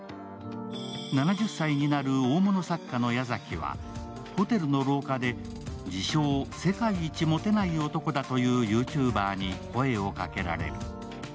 ７０歳になる大物作家の矢崎はホテルの廊下で自称世界一モテない男だというＹｏｕＴｕｂｅｒに声をかけられる。